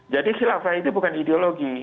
jadi kilafat itu bukan ideologi